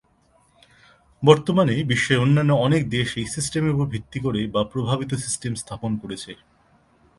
বর্তমানে, বিশ্বের অন্যান্য অনেক দেশ এই সিস্টেমের উপর ভিত্তি করে বা প্রভাবিত সিস্টেম স্থাপন করেছে।